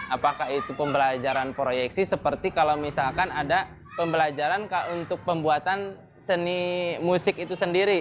apakah itu pembelajaran proyeksi seperti kalau misalkan ada pembelajaran untuk pembuatan seni musik itu sendiri